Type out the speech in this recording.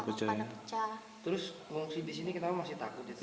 terus mengungsi di sini kita masih takut ya